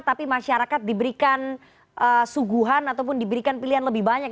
tapi masyarakat diberikan suguhan ataupun diberikan pilihan lebih banyak